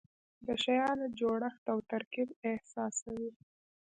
د شیانو جوړښت او ترکیب احساسوي.